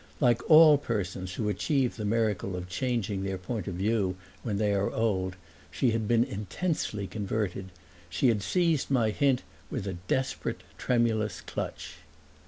Like all persons who achieve the miracle of changing their point of view when they are old she had been intensely converted; she had seized my hint with a desperate, tremulous clutch.